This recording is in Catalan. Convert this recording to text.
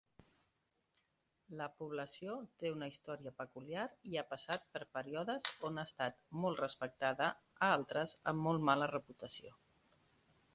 La població té una història peculiar i ha passat per períodes on ha estat molt respectada a altres amb molt mala reputació.